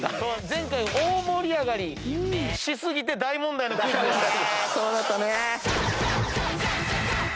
前回大盛り上がりし過ぎて大問題のクイズ。